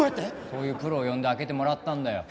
そういうプロを呼んで開けてもらったんだよ。